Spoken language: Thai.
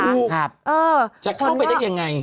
ใช่ครับจะเข้าไปได้ยังไง